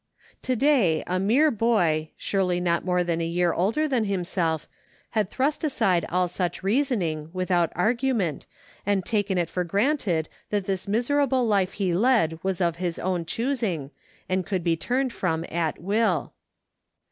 To day a mere boy, surely not more than a year older than himself, had thrust aside all such rea soning, without argument, and taken it for granted that this miserable life he led was of his own choosing, and could be turned from at will.